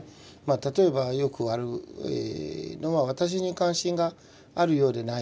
例えばよくあるのは私に関心があるようでない。